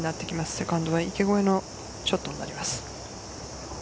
セカンドは池越えのショットになります。